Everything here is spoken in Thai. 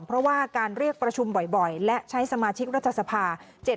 เพราะว่าการเรียกประชุมบ่อยและใช้สมาชิกรัฐสภา